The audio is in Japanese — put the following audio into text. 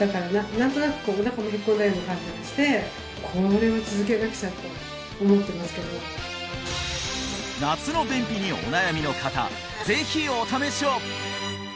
何となくおなかもへこんだような感じがしてこれは続けなくちゃと思ってますけど夏の便秘にお悩みの方ぜひお試しを！